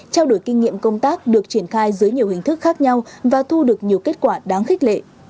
trao đổi kinh nghiệm công tác được triển khai dưới nhiều hình thức khác nhau và thu được nhiều kết quả đáng khích lệ